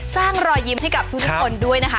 สร้างรอยยิ้มที่กับทุกคนด้วยนะคะ